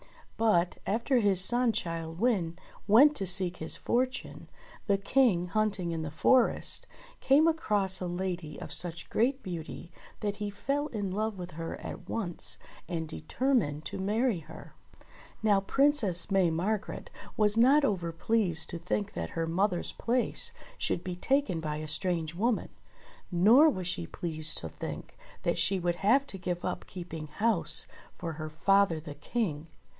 But, after his son Childe Wynde went to seek his fortune, the King, hunting in the forest, came across a lady of such great beauty that he fell in love with her at once and determined to marry her. Now Princess May Margret was not over pleased to think 1*5 126 ENGLISH FAIRY TALES that her mother's place should be taken by a strange woman, nor was she pleased to think that she would have to give up keeping house for her father the King.